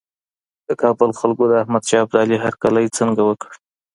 د کابل خلګو د احمد شاه ابدالي هرکلی څنګه وکړ؟